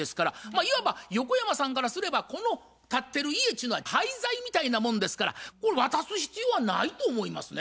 いわば横山さんからすればこの建ってる家っちゅうのは廃材みたいなもんですからこれ渡す必要はないと思いますね。